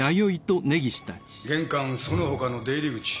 玄関その他の出入り口